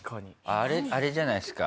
あれあれじゃないですか？